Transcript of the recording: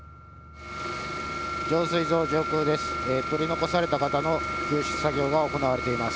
浄水場上空です。